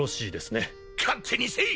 勝手にせい！